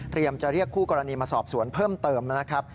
จะเรียกคู่กรณีมาสอบสวนเพิ่มเติมนะครับ